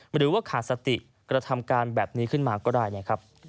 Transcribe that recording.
หรือว่าขาดสติกระทำการแบบนี้ขึ้นมาก็ได้นะครับ